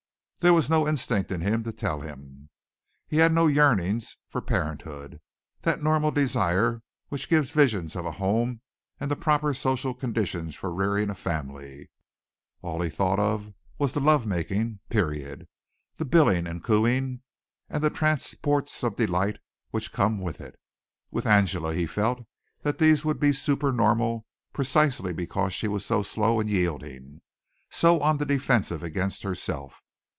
There was no instinct in him to tell him. He had no yearnings for parenthood, that normal desire which gives visions of a home and the proper social conditions for rearing a family. All he thought of was the love making period the billing and cooing and the transports of delight which come with it. With Angela he felt that these would be super normal precisely because she was so slow in yielding so on the defensive against herself.